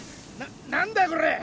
何だよこれ？